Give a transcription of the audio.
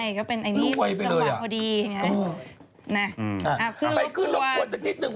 ใช่ก็เป็นอันนี้จำหวังพอดีนะครับคืนรบกวนสักนิดหนึ่ง